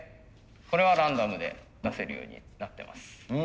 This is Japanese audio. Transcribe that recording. これはランダムで出せるようになってます。